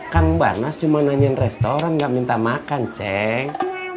kang baras cuma nanyain restoran gak minta makan ceng